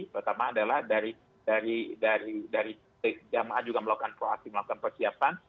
pertama adalah dari jemaah juga melakukan proaksi melakukan persiapan